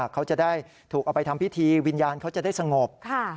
เขาจะได้ถูกเอาไปทำพิธีวิญญาณเขาจะได้สงบ